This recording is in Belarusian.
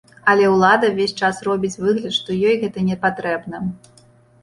Але ўлада ўвесь час робіць выгляд, што ёй гэта не патрэбна.